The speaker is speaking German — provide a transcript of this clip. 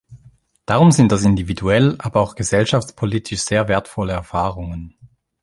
Darum sind das individuell, aber auch gesellschaftspolitisch sehr wertvolle Erfahrungen.